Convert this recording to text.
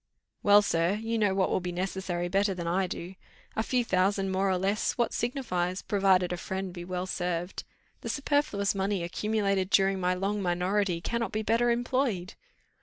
"Well, sir. You know what will be necessary better than I do. A few thousands more or less, what signifies, provided a friend be well served. The superfluous money accumulated during my long minority cannot be better employed."